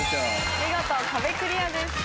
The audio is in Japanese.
見事壁クリアです。